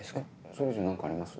それ以上何かあります？